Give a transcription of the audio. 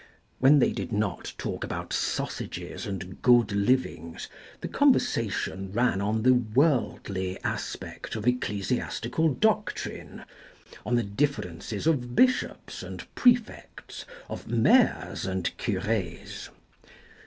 When they did not talk about sausages and good livings, the conversation ran on the worldly aspect of ecclesi astical doctrine, on the differences of bishops and prefects, of mayors and cures.